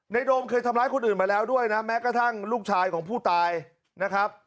โดมเคยทำร้ายคนอื่นมาแล้วด้วยนะแม้กระทั่งลูกชายของผู้ตายนะครับ